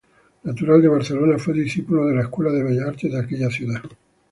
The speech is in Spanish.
Natural de Barcelona, fue discípulo de la Escuela de Bellas Artes de aquella ciudad.